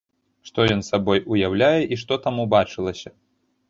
Што ён сабой уяўляе і што там убачылася?